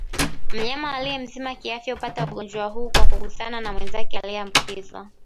Mnyama aliye mzima kiafya hupata ugonjwa huu kwa kugusana na mwenzake aliyeambukizwa